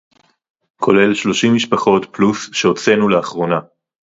כולל שלושים משפחות פלוס שהוצאנו לאחרונה